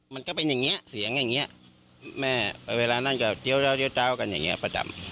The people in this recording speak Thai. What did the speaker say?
มันก็เป็นอย่างเงี้ยเสียงอย่างเงี้ยแม่เวลานั้นก็เจี๊ยวเจี๊ยวเจี๊ยวเจี๊ยวกันอย่างเงี้ยประจำ